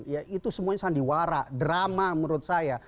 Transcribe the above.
ya itu semuanya sandiwara drama menurut saya